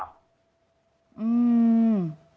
อืม